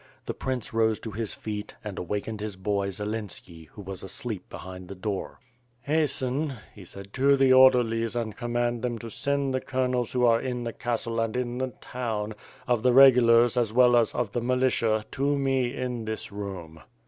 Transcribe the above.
The prince rose to his feet and awakened his boy, Zelenski, who was asleep behind the door. WITH FIRE AND SWORD, 423 ^TEasten," he said, "to the orderlies and command them to send the colonels who are in the castle and in the town, of the regulars as well as of the militia, to me in this room.'